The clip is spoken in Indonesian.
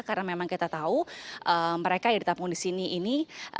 karena memang kita tahu mereka yang ditampung di sini ini